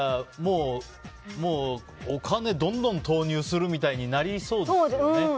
もう、お金、どんどん投入するみたいになりそうですよね。